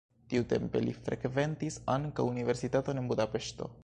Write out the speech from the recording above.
Tiutempe li frekventis ankaŭ universitaton en Budapeŝto.